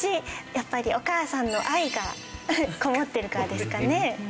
やっぱりお母さんの愛がこもってるからですかね。